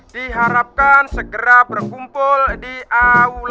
diharapkan segera berkumpul di aula